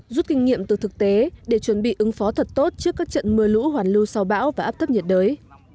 rút kinh nghiệm từ thực tế để chuẩn bị ứng phó thật tốt trước các trận mưa lũ hoàn lưu sau bão và áp thấp nhiệt đới